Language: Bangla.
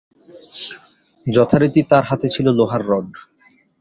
যথারীতি তার হাতে ছিল লোহার রড।